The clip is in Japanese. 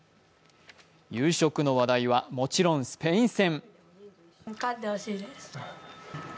夕食の話題はもちろんスペイン戦。